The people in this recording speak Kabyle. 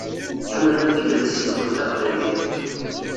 Ḥemmlemt idles-nkent aqbayli.